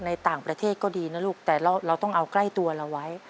ในต่างประเทศก็ดีนะลูกแต่เราต้องเอาใกล้ตัวเราไว้